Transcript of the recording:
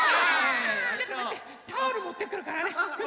ちょっとまってタオルもってくるからね。